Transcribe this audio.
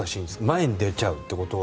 前に出ちゃうってことは。